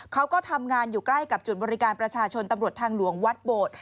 เขาก็ทำงานอยู่ใกล้กับจุดบริการประชาชนตำรวจทางหลวงวัดโบด